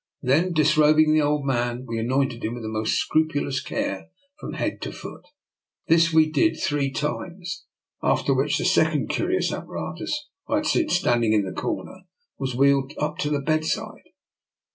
Then, disrobing the old man, we anointed him with the most scrupulous care from head to foot. This we did three times, after which the second curious apparatus I had seen standing in the corner was wheeled up to the bedside.